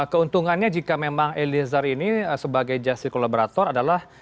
keuntungannya jika memang eliezer ini sebagai justice collaborator adalah